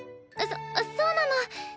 そそうなの。